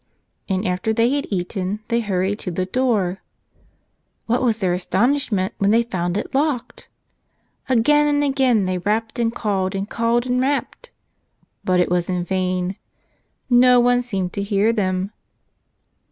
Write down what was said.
And after they had eaten, they hurried to the door. What was their astonishment when they found it locked! Again and again they rapped and called and called and rapped. But it was in vain. No one seemed to hear them.